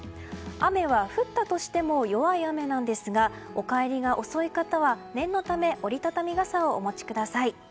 雨は、降ったとしても弱い雨なんですがお帰りが遅い方は念のため折り畳み傘をお持ちください。